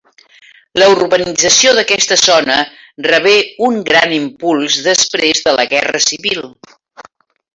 La urbanització d'aquesta zona rebé un gran impuls després de la guerra civil.